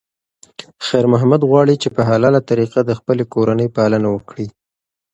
خیر محمد غواړي چې په حلاله طریقه د خپلې کورنۍ پالنه وکړي.